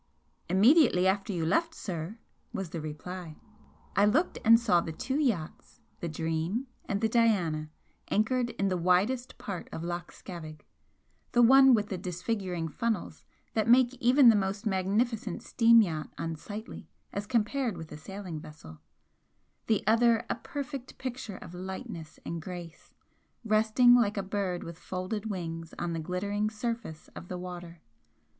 "Immediately after you left, sir," was the reply. I looked and saw the two yachts the 'Dream' and the 'Diana,' anchored in the widest part of Loch Scavaig the one with the disfiguring funnels that make even the most magnificent steam yacht unsightly as compared with a sailing vessel, the other a perfect picture of lightness and grace, resting like a bird with folded wings on the glittering surface of the water.